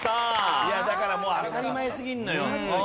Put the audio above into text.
いやだからもう当たり前すぎるのよ。